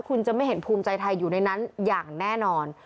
คุณจะไม่เห็นภูมิใจไทยอยู่ในนั้นอย่างแน่นอน